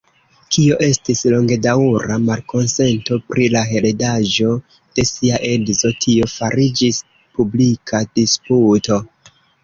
Kio estis longedaŭra malkonsento pri la heredaĵo de sia edzo, tio fariĝis publika disputo.